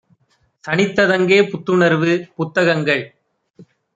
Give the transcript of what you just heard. சனித்ததங்கே புத்துணர்வு! புத்த கங்கள்